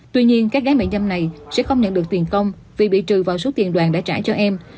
tuy nhiên các gái mại dâm này sẽ không nhận được tiền công vì bị trừ vào số tiền đoàn đã trả cho em